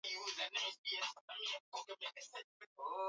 kufuatia kuingizwa kwa Jamhuri ya Kidemokrasi ya Kongo